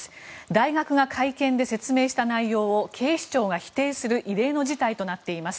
大学が会見で説明した内容を警視庁が否定する異例の事態となっています。